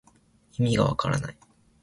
いみがわからない